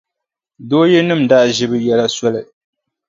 Dooyilinima daa ʒi bɛ yɛla soli.